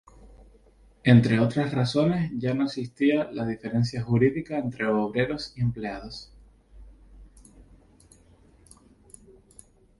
Entre otras razones, ya no existía al diferencia jurídica entre obreros y empleados.